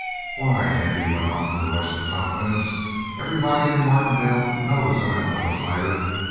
"Why," Andy went on in a rush of confidence, "everybody in Martindale knows that I'm not a fighter.